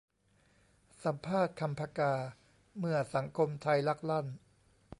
สัมภาษณ์ 'คำ ผกา' : เมื่อสังคมไทยลักลั่น